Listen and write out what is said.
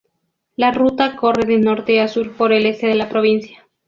La ruta corre de norte a sur por el este de la provincia.